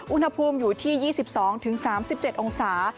อุณหภูมิอยู่ที่๒๒๓๗องศา